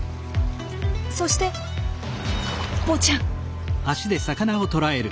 そしてぽちゃん。